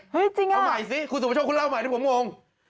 เฮ้ยเอาใหม่สิคุณผู้ชมคุณเล่าใหม่ที่ผมงง